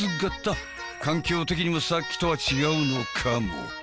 環境的にもさっきとは違うのかも。